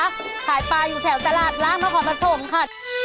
ขายปลาอยู่แถวตลาดร้านมหมาธมศ์ค่ะ